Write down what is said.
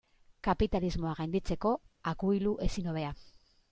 Kapitalismoa gainditzeko akuilu ezin hobea.